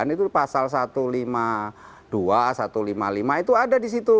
itu pasal satu ratus lima puluh dua satu ratus lima puluh lima itu ada di situ